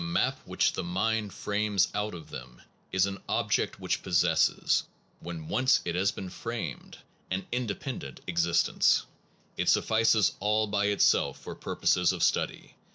73 SOME PROBLEMS OF PHILOSOPHY them is an object which possesses, when once it has been framed, an independent existence. It suffices all by itself for purposes of study.